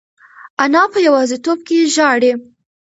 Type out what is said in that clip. انا په یوازیتوب کې ژاړي.